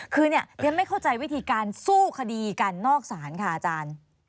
คือเนี่ยเรียนไม่เข้าใจวิธีการสู้คดีกันนอกศาลค่ะอาจารย์